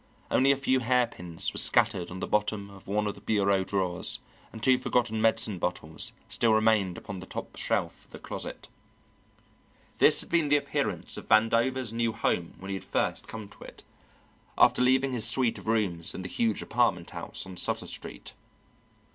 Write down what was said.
Only a few hairpins were scattered on the bottom of one of the bureau drawers, and two forgotten medicine bottles still remained upon the top shelf of the closet. This had been the appearance of Vandover's new home when he had first come to it, after leaving his suite of rooms in the huge apartment house on Sutter Street.